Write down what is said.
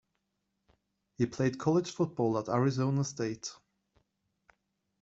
He played college football at Arizona State.